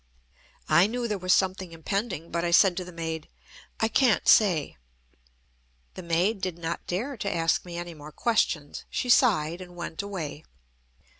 I knew there was something impending, but I said to the maid: "I can't say." The maid did not dare to ask me any more questions. She sighed, and went away.